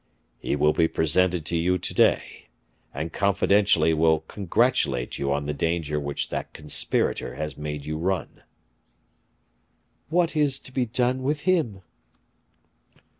"He will be presented to you to day, and confidentially will congratulate you on the danger which that conspirator has made you run." "What is to be done with him?"